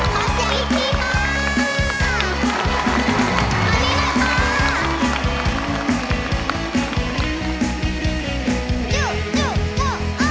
ก็แค่ผู้สายหลายใจเพราะผู้หญิงหลายคน